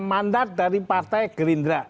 mandat dari partai gerindra